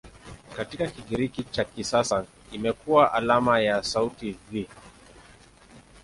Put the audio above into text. Katika Kigiriki cha kisasa imekuwa alama ya sauti "V".